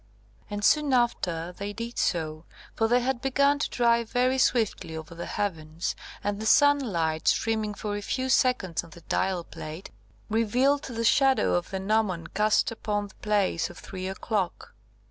And soon after they did so, for they had begun to drive very swiftly over the heavens, and the sunlight, streaming for a few seconds on the dial plate, revealed the shadow of the gnomon cast upon the place of three o'clock.